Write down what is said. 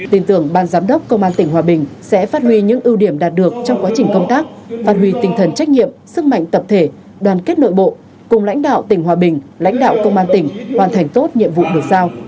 tin tưởng ban giám đốc công an tỉnh hòa bình sẽ phát huy những ưu điểm đạt được trong quá trình công tác phát huy tinh thần trách nhiệm sức mạnh tập thể đoàn kết nội bộ cùng lãnh đạo tỉnh hòa bình lãnh đạo công an tỉnh hoàn thành tốt nhiệm vụ được giao